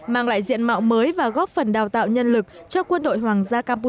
mang lại diện mạo mới và góp phần đảng